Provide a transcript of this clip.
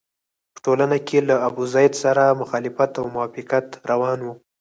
په ټولنه کې له ابوزید سره مخالفت او موافقت روان وو.